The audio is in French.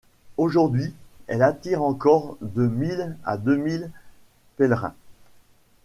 Aujourd'hui, elle attire encore de mille à deux mille pèlerins.